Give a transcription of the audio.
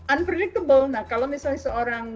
unpredictable nah kalau misalnya seorang